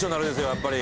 やっぱり。